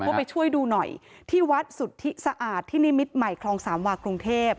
ว่าไปช่วยดูหน่อยที่วัดสุทธิสะอาดที่นิมิตรใหม่คลองสามวากรุงเทพ